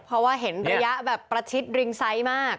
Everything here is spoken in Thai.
เพราะว่าเห็นระยะแบบประชิดริงไซส์มาก